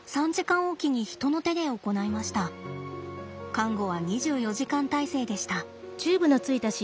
看護は２４時間態勢でした。